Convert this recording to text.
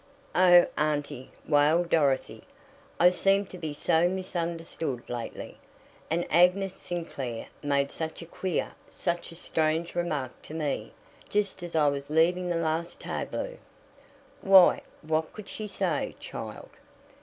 "Oh, aunty!" wailed Dorothy. "I seem to be so misunderstood lately. And Agnes Sinclair made such a queer such a strange remark to me just as I was leaving the last tableau." "Why, what could she say, child?"